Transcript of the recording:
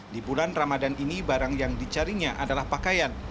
di bulan ramadan ini barang yang dicarinya adalah pakaian